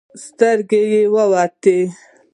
سترګې يې وتلې.